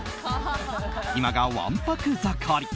今がわんぱく盛り。